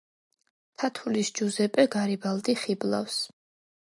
თათულის ჯუზეპე გარიბალდი ხიბლავს